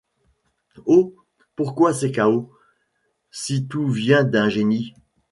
Oh ! pourquoi ces chaos, si tout vient d’un génie ?